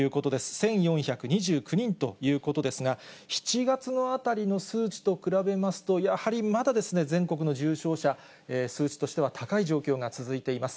１４２９人ということですが、７月のあたりの数値と比べますと、やはりまだですね、全国の重症者、数値としては高い状況が続いています。